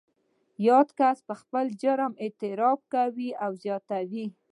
یاد کس پر خپل جرم اعتراف کوي او زیاتوي